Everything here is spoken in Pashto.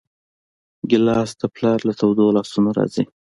ګیلاس د پلار له تودو لاسونو راځي.